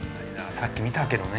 さっき見たけどね。